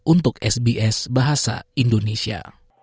untuk sbs bahasa indonesia